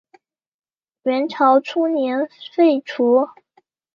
元朝初年废除。